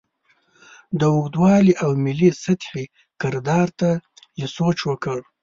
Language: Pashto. د اوږدوالي او ملي سطحې کردار ته یې سوچ وکړې.